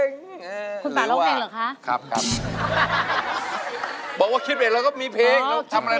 ความสำคัญจะเป็นสิทธิ์ที่คุณคิดไปเองก็ได้